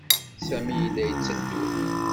Sami yella yetteddu.